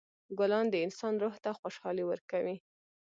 ګلان د انسان روح ته خوشحالي ورکوي.